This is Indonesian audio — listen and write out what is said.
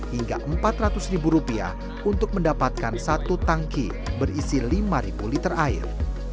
hingga rp empat ratus untuk mendapatkan satu tangki berisi lima liter air